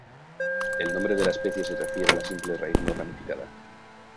El nombre de la especie se refiere a la simple raíz no ramificada.